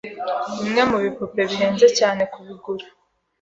Bimwe mubipupe bihenze cyane kubigura.